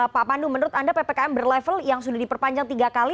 pak pandu menurut anda ppkm berlevel yang sudah diperpanjang tiga kali